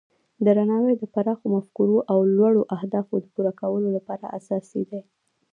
درناوی د پراخو مفکورو او لوړو اهدافو د پوره کولو لپاره اساسي دی.